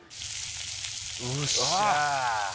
うっしゃ！